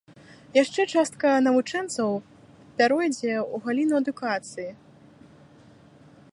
Яшчэ частка навучэнцаў пяройдзе ў галіну адукацыі.